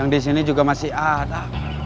yang disini juga masih ada